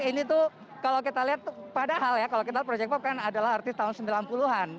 ini tuh kalau kita lihat padahal ya kalau kita project pop kan adalah artis tahun sembilan puluh an